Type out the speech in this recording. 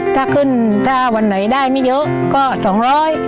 ถ้าขึ้นถ้าวันไหนได้ไม่เยอะก็สองร้อย